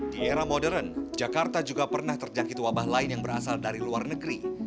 di era modern jakarta juga pernah terjangkit wabah lain yang berasal dari luar negeri